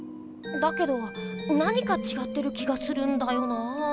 だけど何かちがってる気がするんだよなぁ。